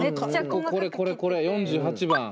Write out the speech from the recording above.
これこれこれこれ４８番。